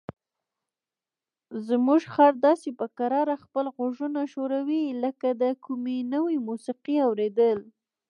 زموږ خر داسې په کراره خپل غوږونه ښوروي لکه د کومې نوې موسیقۍ اوریدل.